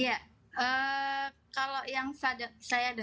nah aku mau tanya battery speaker